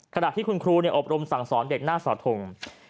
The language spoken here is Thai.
ขณะที่คุณครูอบรมสั่งสอนเด็กหน้าสอทง